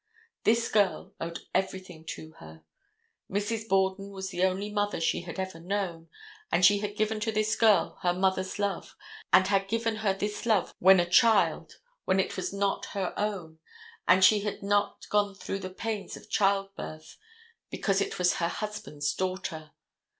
This girl owed everything to her. Mrs. Borden was the only mother she had ever known, and she had given to this girl her mother's love and had given her this love when a child when it was not her own and she had not gone through the pains of childbirth, because it was her husband's daughter.